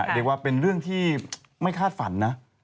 เรียกว่าเป็นเรื่องที่ไม่คาดฝันนะ